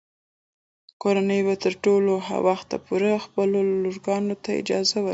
کورنۍ به تر هغه وخته پورې خپلو لورګانو ته اجازه ورکوي.